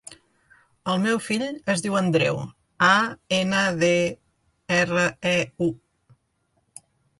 El meu fill es diu Andreu: a, ena, de, erra, e, u.